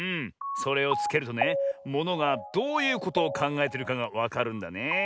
それをつけるとねものがどういうことをかんがえてるかがわかるんだねえ。